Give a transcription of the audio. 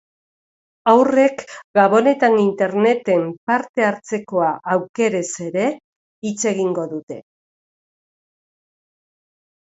Haurrek gabonetan interneten parte hartzekoa aukerez ere hitz egingo dute.